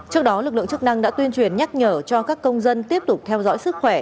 trước đó lực lượng chức năng đã tuyên truyền nhắc nhở cho các công dân tiếp tục theo dõi sức khỏe